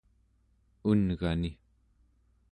un'gani